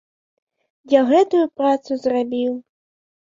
Я гэтую працу зрабіў.